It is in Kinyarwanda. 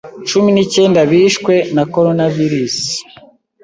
Cumi n’icyenda bishwe na Coronavirus